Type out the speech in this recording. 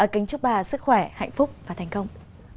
kính chúc bà sức khỏe hạnh phúc và thành công